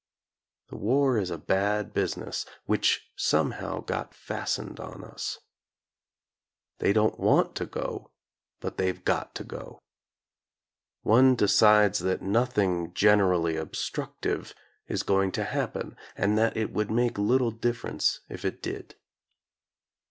The war is a bad business, which somehow got fastened on us. They don't want to go, but they've got to go. One decides that nothing gen erally obstructive is going to happen and that it would make little difference if it did.